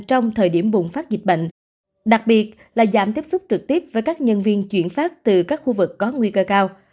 trong thời điểm bùng phát dịch bệnh đặc biệt là giảm tiếp xúc trực tiếp với các nhân viên chuyển phát từ các khu vực có nguy cơ cao